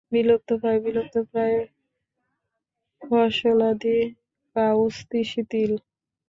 বিলুপ্ত বা বিলুপ্তপ্রায় ফসলাদি কাউন, তিসি, তিল।